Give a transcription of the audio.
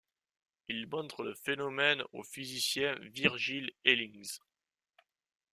Il montre le phénomène au physicien Virgil Elings.